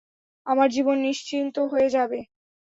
আমার জীবন নিশ্চিন্ত হয়ে যাবে।